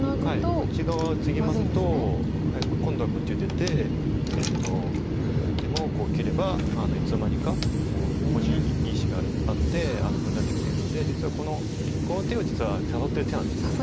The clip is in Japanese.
こっち側ツギますと今度はこっちを出てこうやってもこう切ればいつの間にかここにいい石があって分断できてるのでこの手を実は誘ってる手なんですよね。